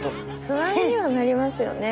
不安にはなりますよね。